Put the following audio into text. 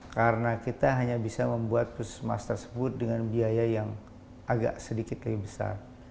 karena kita hanya bisa membuat pusmas tersebut dengan biaya yang agak sedikit lebih besar